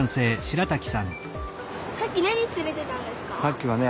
さっき何つれてたんですか？